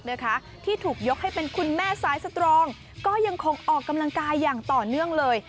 นะคะที่ถูกยกให้เป็นคุณแม่สายสตรองก็ยังคงออกกำลังกายอย่างต่อเนื่องเลย